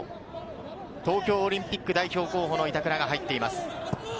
東京オリンピック代表候補の板倉が入っています。